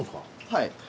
はい。